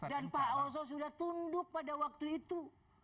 dan pak oso sudah tunduk pada waktu itu